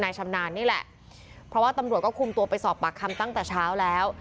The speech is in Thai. ชำนาญนี่แหละเพราะว่าตำรวจก็คุมตัวไปสอบปากคำตั้งแต่เช้าแล้ว